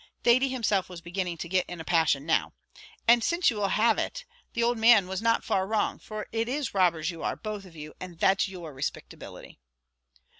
Thady himself was beginning to get in a passion now, "And since you will have it, the owld man was not far wrong, for it is robbers you are, both of you, and that's your respictability!"